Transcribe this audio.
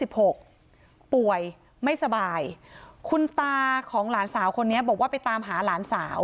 ป่วยไม่สบายคุณตาของหลานสาวคนนี้บอกว่าไปตามหาหลานสาว